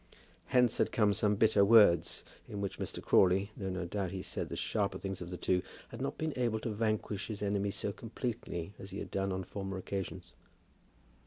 Hence had come some bitter words, in which Mr. Crawley, though no doubt he said the sharper things of the two, had not been able to vanquish his enemy so completely as he had done on former occasions.